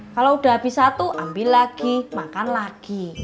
kalau udah habis satu ambil lagi makan lagi